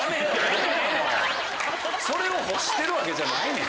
それを欲してるわけじゃないねん。